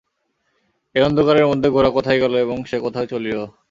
এই অন্ধকারের মধ্যে গোরা কোথায় গেল এবং সে কোথায় চলিল।